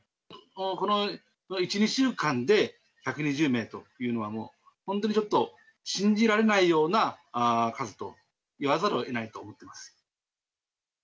この１、２週間で１２０名というのは、もう本当にちょっと信じられないような数と言わざるをえないと思ってます。